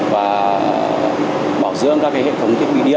và bảo dưỡng các hệ thống thiết bị điện